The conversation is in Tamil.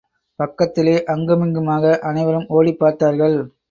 பக்கத்திலே அங்குமிங்குமாக அனைவரும் ஓடிப் பார்த்தார்கள்.